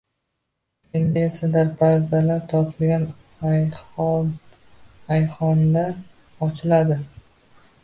Endi esa darpardalar tortilgan, ahyon-ahyonda ochiladi